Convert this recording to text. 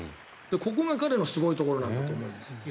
ここが彼のすごいところなんだと思います。